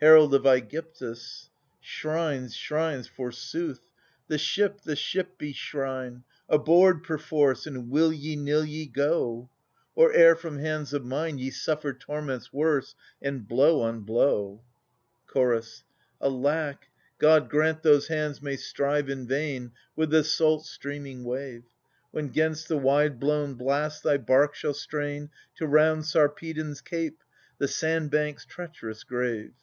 Herald of ^gyptus. Shrines, shrines, forsooth! — the ship, the ship be shrine. Aboard, perforce and will ye nill ye, go ! Or e'er from hands of mine Ye suffer torments worse and blow on blow. Chorus. Alack, God grant those hands may strive in vain With the salt streaming wave, When 'gainst the wide blown blasts thy bark shall strain To round Sarpedon's cape, the sandbank's treach'rous grave.